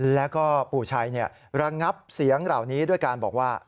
แล้วก็ปู่ชัยระงับเสียงเหล่านี้ด้วยการบอกว่า